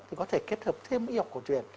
thì có thể kết hợp thêm y học cổ truyền